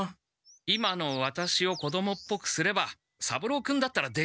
今のワタシを子どもっぽくすれば三郎君だったらできる。